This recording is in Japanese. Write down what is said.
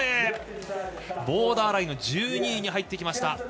ボーダーラインの１２位に入ってきました。